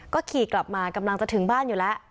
ก็ขี่กลับมากำลังจะถึงบ้านอยู่แล้ว